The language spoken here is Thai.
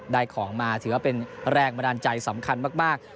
ได้ของมาถือว่าเป็นแรงบันดาลใจสำคัญมาก